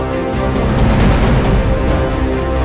dewa temen aku